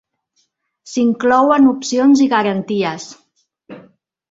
S'inclouen opcions i garanties.